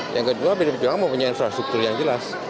yang kedua pdi perjuangan memiliki infrastruktur yang jelas